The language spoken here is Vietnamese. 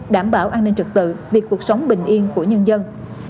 đảm bảo an ninh trực tự việc cuộc sống bình yên của nhân dân